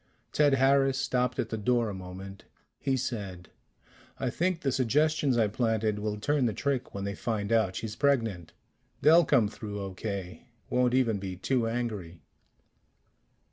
Ted Harris stopped at the door a moment. He said, "I think the suggestions I planted will turn the trick when they find out she's pregnant. They'll come through okay won't even be too angry."